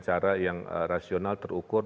cara yang rasional terukur